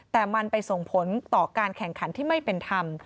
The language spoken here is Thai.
แต่มันไปส่งผลต่อการแข่งขันที่ไม่เป็นธรรม